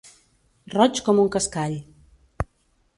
Roig com un cascall.